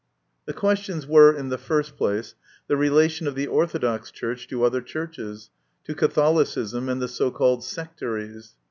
The questions were, in the first place, the relation of the Orthodox Church to other churches, to Catholicism and the so called Sectaries.